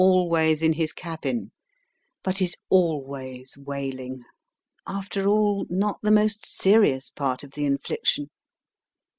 always in his cabin, but is always wailing, after all not the most serious part of the infliction.